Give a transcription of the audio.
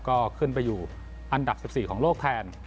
ก็ขึ้นไปอยู่อันดับ๑๔ของโลกแทน